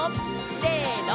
せの！